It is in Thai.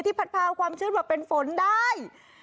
ที่ผัดพาความชื่นแบบเป็นฝนได้